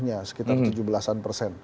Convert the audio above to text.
hanya sekitar tujuh belas an persen